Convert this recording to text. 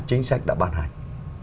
chính sách đã bàn hành